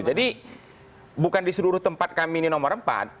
jadi bukan di seluruh tempat kami ini nomor empat